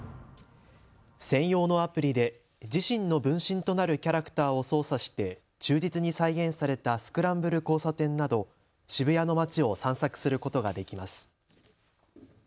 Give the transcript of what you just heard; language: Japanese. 専用のアプリで自身の分身となるキャラクターを操作して忠実に再現されたスクランブル交差点など渋谷の街を散策することができます。